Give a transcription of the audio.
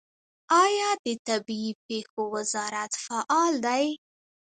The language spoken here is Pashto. آیا د طبیعي پیښو وزارت فعال دی؟